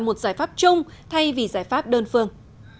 một giải pháp chung thay vì giải pháp đơn phương